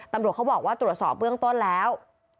ตำรวจเขาบอกว่าตรวจสอบเบื้องต้นแล้ว